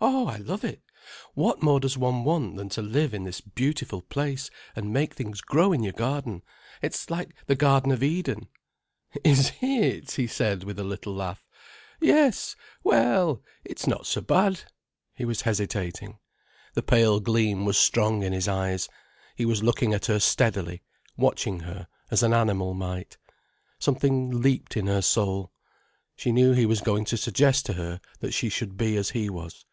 "Oh, I love it. What more does one want than to live in this beautiful place, and make things grow in your garden. It is like the Garden of Eden." "Is it?" he said, with a little laugh. "Yes—well, it's not so bad——" he was hesitating. The pale gleam was strong in his eyes, he was looking at her steadily, watching her, as an animal might. Something leaped in her soul. She knew he was going to suggest to her that she should be as he was.